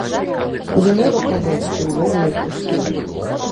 Зямля вакол вёскі ўвогуле пустуе.